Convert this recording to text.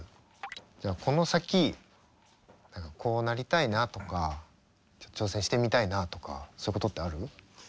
じゃあこの先こうなりたいなとか挑戦してみたいなとかそういうことってある？